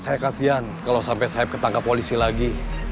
saya kasihan kalau sampai saeb ketangkap polisi lagi